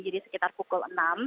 jadi sekitar pukul enam